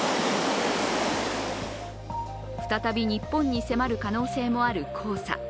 再び日本に迫る可能性もある黄砂。